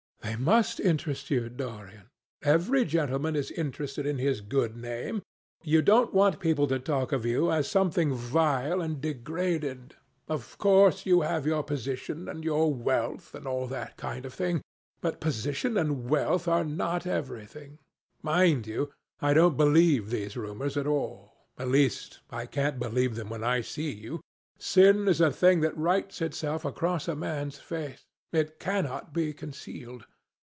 "They must interest you, Dorian. Every gentleman is interested in his good name. You don't want people to talk of you as something vile and degraded. Of course, you have your position, and your wealth, and all that kind of thing. But position and wealth are not everything. Mind you, I don't believe these rumours at all. At least, I can't believe them when I see you. Sin is a thing that writes itself across a man's face. It cannot be concealed.